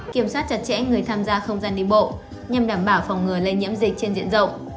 kiểm soát chặt chẽ người tham gia không gian đi bộ nhằm đảm bảo phòng ngừa lây nhiễm dịch trên diện rộng